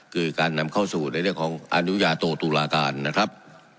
คือการนำเข้าสู่ในเรื่องของอนุญาโตตุลาการนะครับ